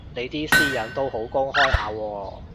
你啲私隱都好公開下喎